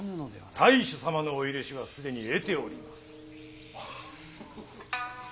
太守様のお許しは既に得ております。